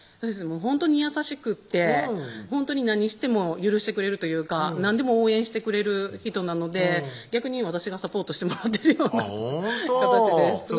ほんとに優しくってほんとに何しても許してくれるというか何でも応援してくれる人なので逆に私がサポートしてもらってるような形です